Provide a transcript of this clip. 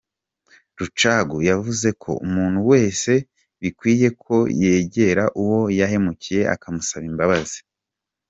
Rucagu yavuze ko umuntu wese bikwiye ko yegera uwo yahemukiye akamusaba imbabazi.